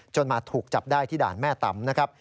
มาถูกจับได้ที่ด่านแม่ตำนะครับ